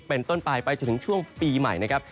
เป็นต้นปลายไปจนถึงช่วงปีใหม่นะครับ